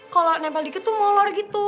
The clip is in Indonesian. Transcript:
kalau nempel dikit tuh molor gitu